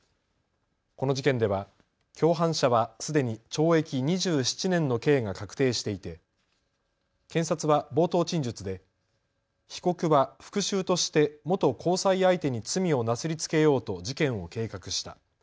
この事件では共犯者はすでに懲役２７年の刑が確定していて検察は冒頭陳述で被告は復しゅうとして元交際相手に罪をなすりつけようと事件を計画した。